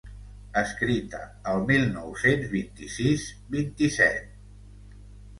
Escrita el mil nou-cents vint-i-sis-vint-i-set.